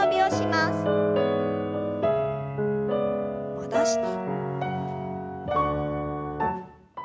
戻して。